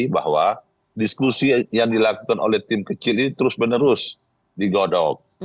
bahwa diskusi yang dilakukan oleh tim kecil ini terus menerus digodok